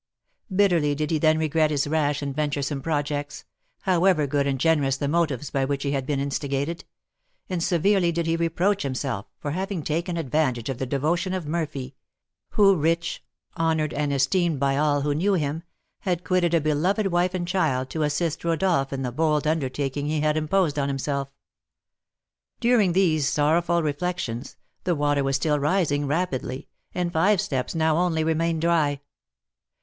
Bitterly did he then regret his rash and venturesome projects, however good and generous the motives by which he had been instigated; and severely did he reproach himself for having taken advantage of the devotion of Murphy, who, rich, honoured, and esteemed by all who knew him, had quitted a beloved wife and child, to assist Rodolph in the bold undertaking he had imposed on himself. During these sorrowful reflections, the water was still rising rapidly, and five steps only now remained dry.